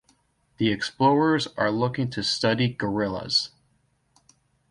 The explorers are looking to study gorillas.